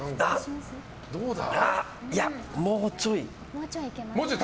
いや、もうちょい。